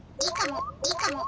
いいかも。